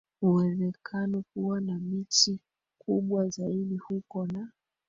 uwezekano kuwa na miti kubwa zaidi huko na